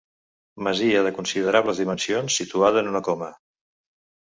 Masia de considerables dimensions situada en una coma.